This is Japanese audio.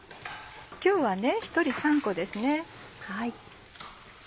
今日は１人３個ですね。